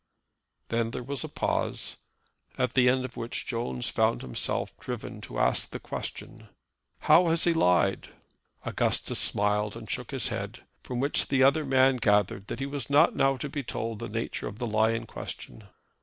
Then there was a pause, at the end of which Jones found himself driven to ask a question: "How has he lied?" Augustus smiled and shook his head, from which the other man gathered that he was not now to be told the nature of the lie in question.